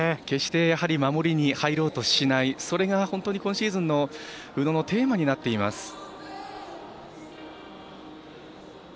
決して、守りに入ろうとしないそれが本当に今シーズンの宇野のテーマになっています。